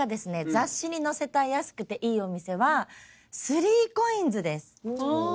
雑誌に載せたい安くていいお店は３ＣＯＩＮＳです。